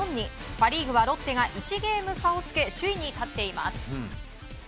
パ・リーグはロッテが１ゲーム差をつけ首位に立っています。